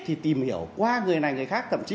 thì tìm hiểu qua người này người khác thậm chí